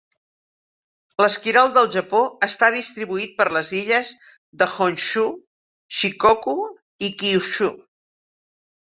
L'esquirol del Japó està distribuït per les illes de Honshu, Shikoku i Kyushu.